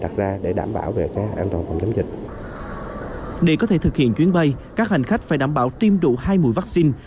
khiến chuyến bay các hành khách phải đảm bảo tiêm đủ hai mũi vaccine